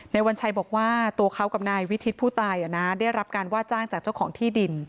วัญชัยบอกว่าตัวเขากับนายวิทิศผู้ตายได้รับการว่าจ้างจากเจ้าของที่ดิน